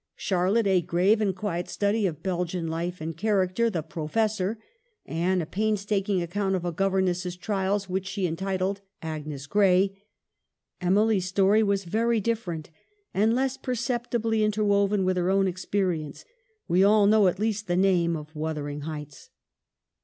Charlotte, a grave and quiet study of Belgian life and character, ' The Professor ;' Anne, a painstaking account of a governess's trials, which she entitled 'Agnes Grey.' Emily's story was very different, and less perceptibly in terwoven with her own experience. We all know at least the name of ' Wuthering Heights.'